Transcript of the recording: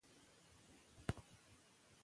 لیک کې یې د حفیظالله امین تېروتنې منلې وې.